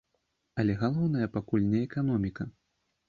Але галоўнае, пакуль не эканоміка.